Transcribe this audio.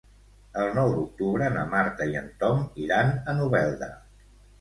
El nou d'octubre na Marta i en Tom iran a Novelda.